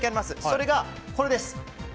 それが、これです。